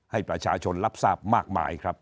ให้ประชาชนรับทราบมากมายครับ